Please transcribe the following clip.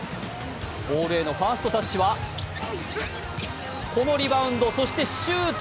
ボールへのファーストタッチはこのリバウンド、そしてシュート。